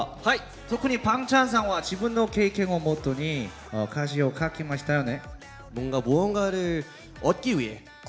特にバンチャンさんは自分の経験をもとに歌詞を書きましたよね？